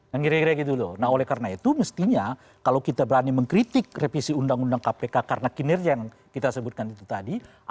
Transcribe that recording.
nah kira kira gitu loh nah oleh karena itu mestinya kalau kita berani mengkritik revisi undang undang kpk karena kinerja yang kita sebutkan itu tadi